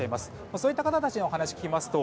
そういった方たちのお話を聞きますと